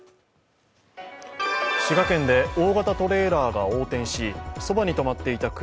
滋賀県で大型トレーラーが横転しそばに止まっていた車